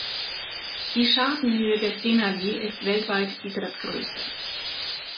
Die Schartenhöhe des Denali ist weltweit die drittgrößte.